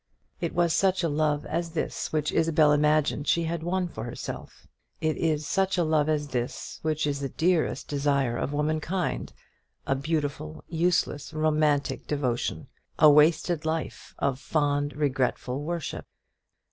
It was such a love as this which Isabel imagined she had won for herself. It is such a love as this which is the dearest desire of womankind, a beautiful, useless, romantic devotion, a wasted life of fond regretful worship.